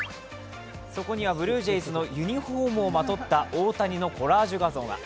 そこにはブルージェイズのユニフォームをまとった大谷のコラージュ画像が。